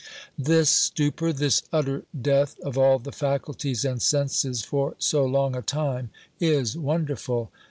This stupor, this utter death of all the faculties and senses for so long a time, is wonderful.